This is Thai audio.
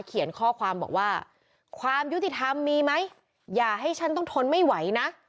เขียนข้อความบอกว่าความยุติธรรมมีไหมอย่าให้ฉันต้องทนไม่ไหวนะ